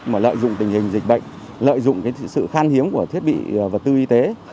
mà lợi dụng tình hình dịch bệnh lợi dụng sự khan hiếm của thiết bị vật tư y tế